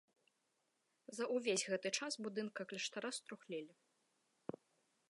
За ўвесь гэты час будынка кляштара струхлелі.